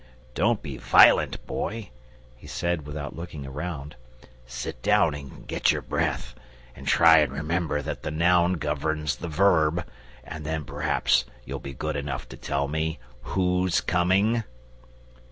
"Don't be VIOLENT, Boy," he said without looking round. "Sit down and get your breath, and try and remember that the noun governs the verb, and then perhaps you'll be good enough to tell me WHO'S coming?"